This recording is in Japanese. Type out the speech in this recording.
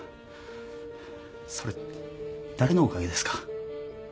それ誰のおかげですか？